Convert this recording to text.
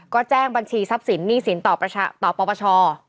ก็แจ้งบัญชีทรัพย์สินหนี้สินต่อประชาตร์ต่อปรปช